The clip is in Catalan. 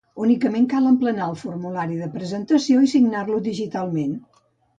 Únicament cal emplenar el formulari de presentació i signar-lo digitalment.